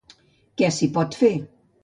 Què s'hi pot fer?